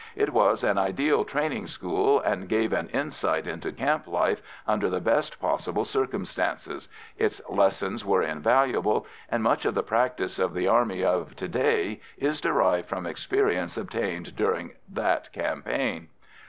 It was an ideal training school and gave an insight into camp life under the best possible circumstances; its lessons were invaluable, and much of the practice of the Army of to day is derived from experience obtained during that campaign.